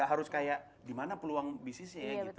harus kayak di mana peluang bisnisnya ya gitu